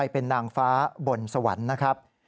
เป็นนางฟ้าบนสวรรค์นะครับ